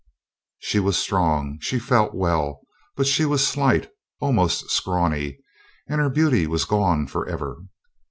She was strong; she felt well; but she was slight, almost scrawny, and her beauty was gone forever.